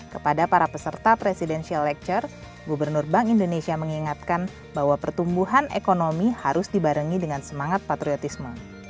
kepada para peserta presidential acture gubernur bank indonesia mengingatkan bahwa pertumbuhan ekonomi harus dibarengi dengan semangat patriotisme